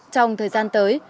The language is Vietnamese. trong thời gian tới